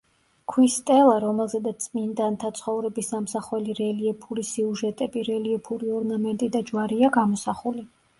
ქვის სტელა, რომელზედაც წმინდანთა ცხოვრების ამსახველი რელიეფური სიუჟეტები, რელიეფური ორნამენტი და ჯვარია გამოსახული.